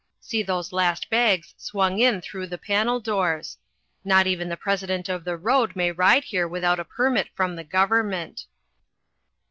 See those last bags swung in through the panel doors! Not even the president of the road may ride here without a permit from the government.